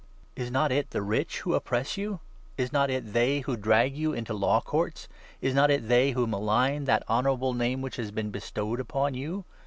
Is not it the rich who oppress you ? Is not it they who drag you into law courts ? Is not it they who malign that 7 honourable Name which has been bestowed upon you